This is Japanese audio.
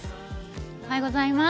おはようございます。